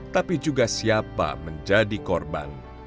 tapi juga siapa menjadi korban